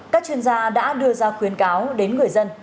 các chuyên gia đã đưa ra khuyến cáo đến người dân